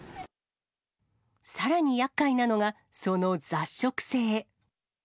さらにやっかいなのが、その雑食性。